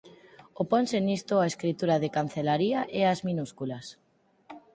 Oponse nisto á escritura de cancelaría e ás minúsculas.